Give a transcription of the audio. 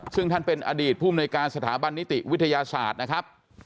ซึ่งท่านเป็นอดีตภูมิในการสถาบันนิติวิทยาศาสตร์นะครับ